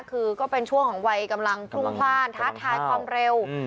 คือก็เป็นช่วงของวัยกำลังพลุ่งพลาดท้าทายความเร็ว